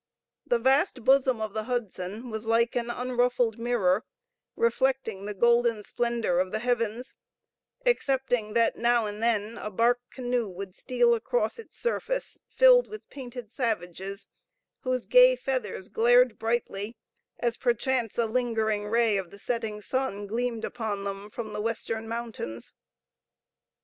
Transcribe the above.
The vast bosom of the Hudson was like an unruffled mirror, reflecting the golden splendor of the heavens; excepting that now and then a bark canoe would steal across its surface, filled with painted savages, whose gay feathers glared brightly, as perchance a lingering ray of the setting sun gleamed upon them from the western mountains.